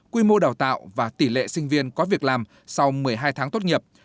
quy mô đào tạo và tỷ lệ sinh viên có việc làm sau một mươi hai tháng tốt nghiệp